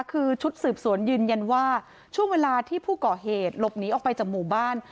คือชุดสืบสวนยืนยันว่าช่วงเวลาที่ผู้ก่อเหตุหลบหนีออกไปจากหมู่บ้าน